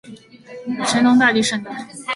神农大帝圣诞